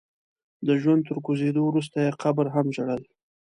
د ژوند تر کوزېدو وروسته يې قبر هم ژړل.